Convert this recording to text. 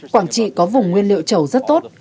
quảng trị có vùng nguyên liệu trầu rất tốt